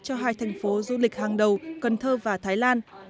cho hai thành phố du lịch hàng đầu cần thơ và thái lan